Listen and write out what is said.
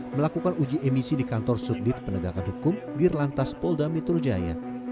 melakukan uji emisi di kantor subdit penegakan hukum girlantas polda mitrujaya